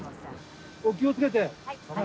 ・お気をつけて。